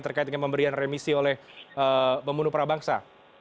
terkait dengan pemberian remisi oleh pembunuh prabangsa